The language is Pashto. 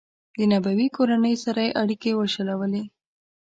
د نبوي کورنۍ سره یې اړیکې وشلولې.